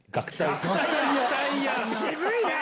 渋いな！